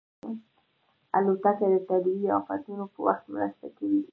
الوتکه د طبیعي افتونو په وخت مرسته کوي.